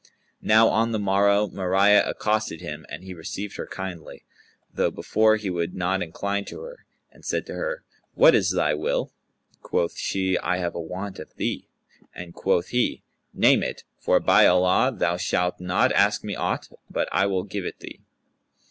Now on the morrow Mariyah accosted him and he received her kindly, though before he would not incline to her, and said to her, "What is thy will?" Quoth she, "I have a want of thee;" and quoth he, "Name it, for by Allah, thou shalt not ask me aught, but I will give it thee!"